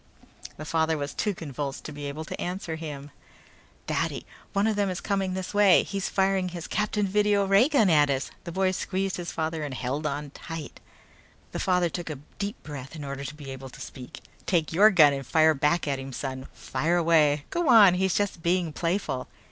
The father was too convulsed to be able to answer him. "Daddy, one of them is coming this way! He's firing his Captain Video ray gun at us!" They boy squeezed his father and held on tight. The father took a deep breath in order to be able to speak. "Take your gun and fire back at him, son. Fire away! Go on, he's just being playful!"